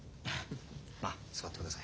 まあ座ってください。